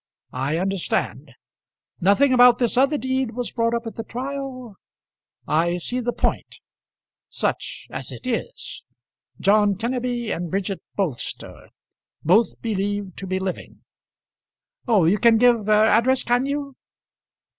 I understand; nothing about this other deed was brought up at the trial? I see the point such as it is. John Kenneby and Bridget Bolster; both believed to be living. Oh, you can give their address, can you?